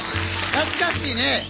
懐かしいね。